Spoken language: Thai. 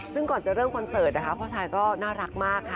ซึ่งก่อนจะเริ่มคอนเสิร์ตนะคะพ่อชายก็น่ารักมากค่ะ